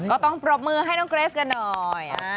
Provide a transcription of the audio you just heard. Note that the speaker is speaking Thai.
ก็ต้องปรบมือให้น้องเกรสกันหน่อย